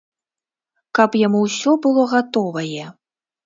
Каб яму ўсё было гатовае.